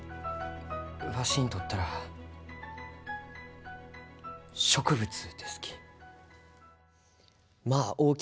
わしにとったら植物ですき。